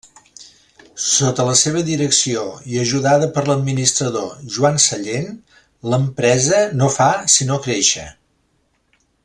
Sota la seva direcció, i ajudada per l'administrador, Joan Sallent, l'empresa no fa sinó créixer.